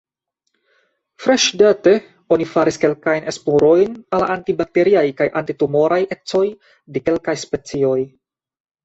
Freŝdate oni faris kelkajn esplorojn al la anti-bakteriaj kaj anti-tumoraj ecoj de kelkaj specioj.